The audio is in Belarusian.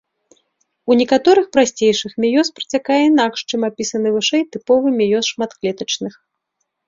У некаторых прасцейшых меёз працякае інакш, чым апісаны вышэй тыповы меёз шматклетачных.